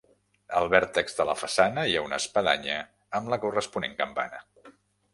Al vèrtex de la façana hi ha una espadanya amb la corresponent campana.